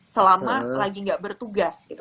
selama lagi gak bertugas gitu